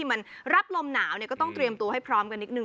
สุดยอดน้ำมันเครื่องจากญี่ปุ่น